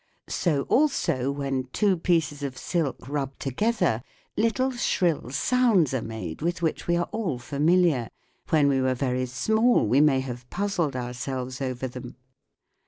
So also when two pieces of silk rub together, little shrill sounds are made THE WORLD OF SOUND with which we are all familiar. When we were very small we may have puzzled ourselves over them.